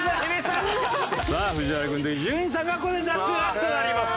さあ藤原君と伊集院さんがここで脱落となります。